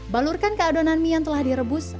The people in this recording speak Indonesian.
balurkan ke adonan mie yang telah direbus